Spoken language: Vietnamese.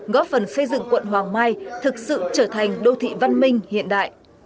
góp phần xây dựng quận hoàng mai thực sự trở thành đô thị văn minh hiện đại